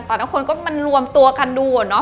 ตอนนั้นคนก็มันรวมตัวกันดูเนอะ